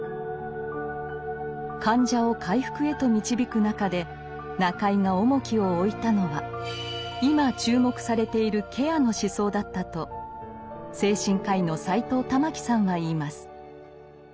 患者を回復へと導く中で中井が重きを置いたのは今注目されている「ケアの思想」だったと精神科医の斎藤環さんは言います。